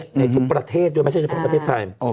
ในทุกประเทศโดยไม่ใช่ถือประเทศไทย